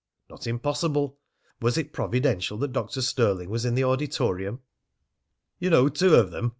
Not impossible! Was it providential that Dr. Stirling was in the auditorium? "You know two of them?"